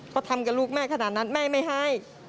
เขาทำกับลูกแม่ขนาดนั้นแม่ไม่ให้